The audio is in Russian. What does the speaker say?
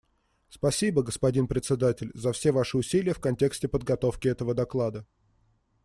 Спасибо, господин Председатель, за все Ваши усилия в контексте подготовки этого доклада.